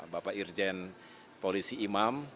bapak irjen polisi imam